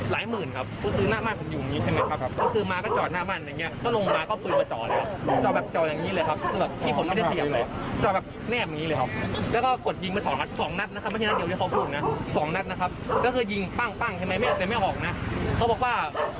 หมื่นครับก็คือหน้าบ้านผมอยู่อย่างงี้ใช่ไหมครับก็คือมาก็จอดหน้าบ้านอย่างเงี้ยก็ลงมาก็เอาปืนมาจอดแล้วจอดแบบจ่ออย่างนี้เลยครับแบบที่ผมไม่ได้เปรียบเลยจอดแบบแนบอย่างนี้เลยครับแล้วก็กดยิงไปสองนัดสองนัดนะครับไม่ใช่นัดเดียวที่เขาพูดนะสองนัดนะครับก็คือยิงปั้งปั้งใช่ไหมแม่แต่ไม่ออกนะเขาบอกว่า